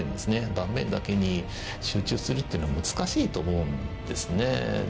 盤面だけに集中するっていうのは難しいと思うんですね。